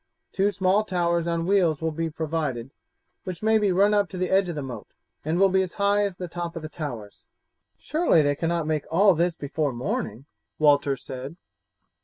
Two small towers on wheels will be provided, which may be run up to the edge of the moat, and will be as high as the top of the towers. "Surely they cannot make all this before morning?" Walter said.